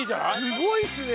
すごいっすね！